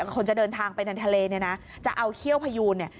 คนจะเดินทางไปในทะเลเนี่ยนะจะเอาเขี้ยวพยูนเนี่ย